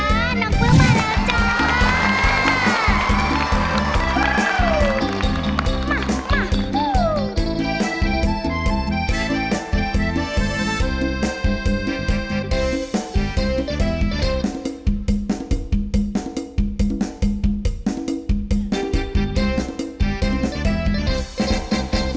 มามา